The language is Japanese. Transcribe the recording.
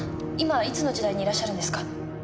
今いつの時代にいらっしゃるんですか？